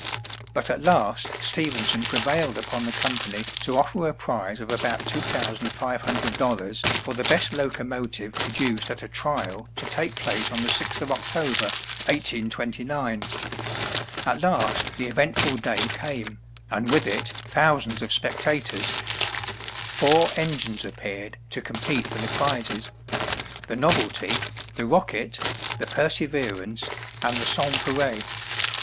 But at last Stephenson prevailed upon the company to offer a prize of about $2,500 for the best locomotive produced at a trial to take place on the 6th of October, 1829. At last the eventful day came, and with it thousands of spectators. Four engines appeared to compete for the prizes. "The Novelty," the "Rocket," the "Perseverance" and the "Sanspareil."